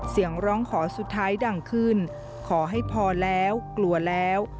เสียงร้องขอสุดท้ายดังขึ้นขอให้พอแล้วกลัวแล้ว